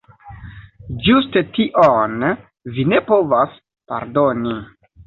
Ĝuste tion vi ne povas pardoni.